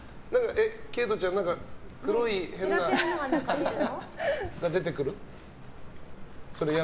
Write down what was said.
佳都ちゃん黒い変なのが出てくる？